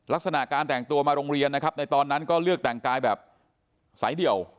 ลักษณะการแต่งตัวมาโรงเรียนนะครับในตอนนั้นก็เลือกแต่งกายแบบสายเดี่ยว